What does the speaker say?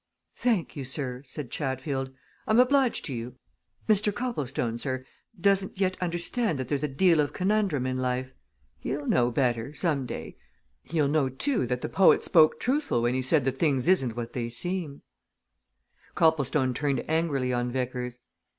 "Thank you, sir," said Chatfield. "I'm obliged to you. Mr. Copplestone, sir, doesn't yet understand that there's a deal of conundrum in life. He'll know better some day. He'll know, too, that the poet spoke truthful when he said that things isn't what they seem." Copplestone turned angrily on Vickers.